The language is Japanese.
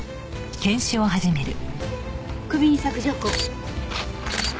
首に索条痕。